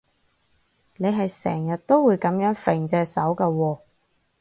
你係成日都會噉樣揈隻手㗎喎